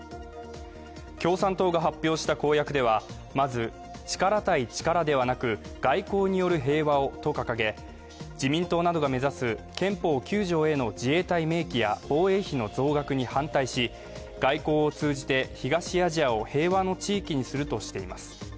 共産党が発表した公約では、まず力対力ではなく外交による平和をと掲げ自民党などが目指す憲法９条への自衛隊明記や防衛費の増額に反対し、外交を通じて、東アジアを平和な地域にするとしています。